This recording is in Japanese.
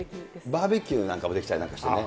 バーベキューなんかもできちゃったりしてね。